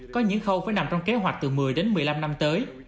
có những khâu phải nằm trong kế hoạch từ một mươi đến một mươi năm năm tới